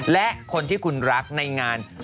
และคนที่คุณรักในงาน